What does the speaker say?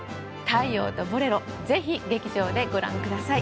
『太陽とボレロ』ぜひ劇場でご覧ください。